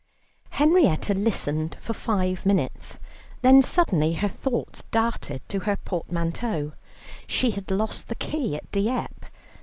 Henrietta listened for five minutes, then suddenly her thoughts darted to her portmanteau: she had lost the key at Dieppe.